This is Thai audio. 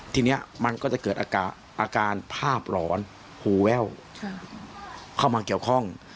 ทีนี้มันก็จะเกิดอาการภาพหลอนหูแว่วเข้ามาเกี่ยวข้อง